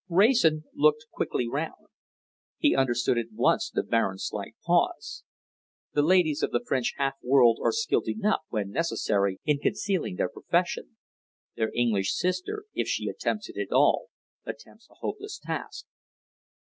Wrayson looked quickly round. He understood at once the Baron's slight pause. The ladies of the French half world are skilled enough, when necessary, in concealing their profession: their English sister, if she attempts it at all, attempts a hopeless task.